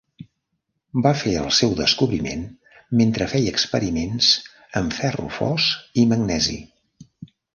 Va fer el seu descobriment mentre feia experiments amb ferro fos i magnesi.